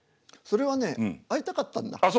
それはね会いたかったんだ。